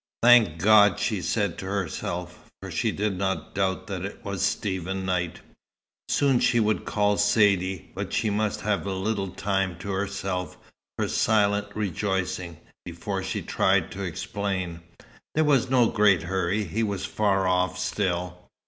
"Thank God!" she said to herself. For she did not doubt that it was Stephen Knight. Soon she would call Saidee; but she must have a little time to herself, for silent rejoicing, before she tried to explain. There was no great hurry. He was far off, still.